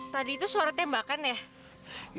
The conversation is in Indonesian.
tadi itu suara tembakan ya